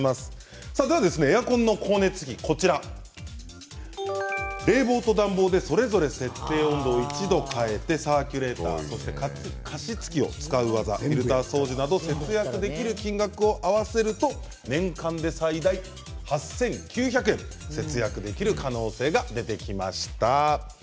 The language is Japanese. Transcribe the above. エアコンの光熱費冷房と暖房でそれぞれ設定温度を１度変えてサーキュレーターや加湿器を使う技フィルター掃除など節約できる金額を合わせると年間で最大８９００円節約できる可能性が出てきました。